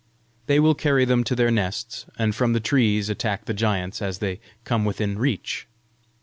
They will carry them to their nests, and from the trees attack the giants as they come within reach.